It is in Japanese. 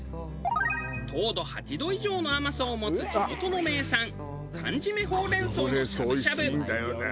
糖度８度以上の甘さを持つ地元の名産寒じめほうれんそうのしゃぶしゃぶ。